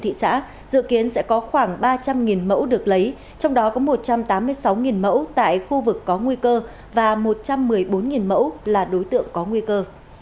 thị xã dự kiến sẽ có khoảng ba trăm linh mẫu được lấy trong đó có một trăm tám mươi sáu mẫu tại khu vực có nguy cơ và một trăm một mươi bốn mẫu là đối tượng có nguy cơ